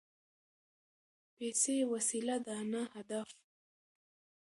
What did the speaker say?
پیسې وسیله ده نه هدف.